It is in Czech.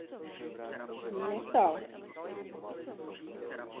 Podstatnou úlohu hraje také vegetační pokryv.